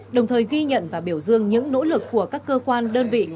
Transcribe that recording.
đồng thời ghi nhận và biểu dương những nỗ lực của các cơ quan đơn vị